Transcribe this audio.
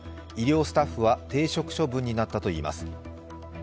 医療スタッフは停職処分になったといいます。